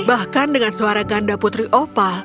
bahkan dengan suara ganda putri opa